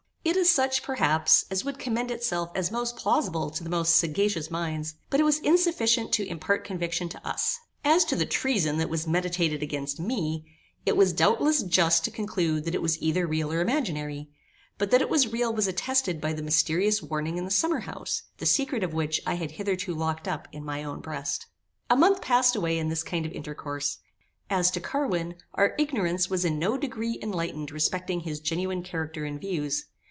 It is such, perhaps, as would commend itself as most plausible to the most sagacious minds, but it was insufficient to impart conviction to us. As to the treason that was meditated against me, it was doubtless just to conclude that it was either real or imaginary; but that it was real was attested by the mysterious warning in the summer house, the secret of which I had hitherto locked up in my own breast. A month passed away in this kind of intercourse. As to Carwin, our ignorance was in no degree enlightened respecting his genuine character and views.